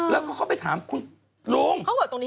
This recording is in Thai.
แล้วก็เขาไปถามพี่หลง